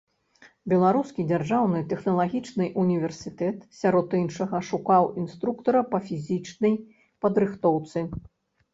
Беларускі дзяржаўны тэхналагічны універсітэт, сярод іншага, шукаў інструктара па фізічнай падрыхтоўцы.